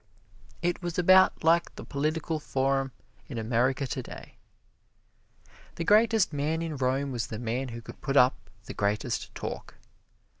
It was about like the political "forum" in America today. The greatest man in Rome was the man who could put up the greatest talk.